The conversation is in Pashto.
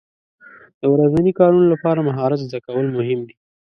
د ورځني کارونو لپاره مهارت زده کول مهم دي.